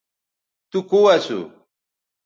تو کو اسو